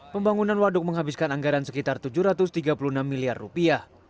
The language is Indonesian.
pembangunan waduk menghabiskan anggaran sekitar tujuh ratus tiga puluh enam miliar rupiah